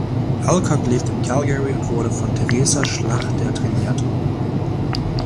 Alcock lebt in Calgary und wurde von Teresa Schlachter trainiert.